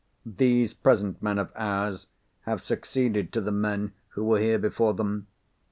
These present men of ours have succeeded to the men who were here before them.